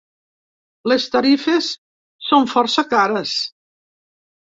Les tarifes son força cares.